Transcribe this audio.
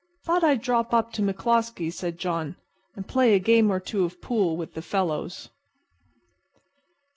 "Thought I'd drop up to McCloskey's," said John, "and play a game or two of pool with the fellows."